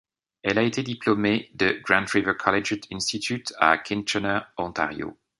Elle a été diplômée de Grand River Collegiate Institute à Kitchener, Ontario.